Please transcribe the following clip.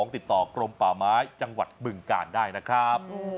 ติดต่อกรมป่าไม้จังหวัดบึงกาลได้นะครับ